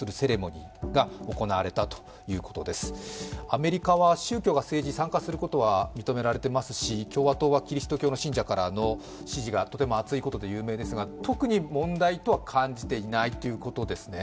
アメリカは宗教が政治に参加することは認められていますし共和党はキリスト教の信者からの支持が厚いことで有名ですが特に問題とは感じていないということですね。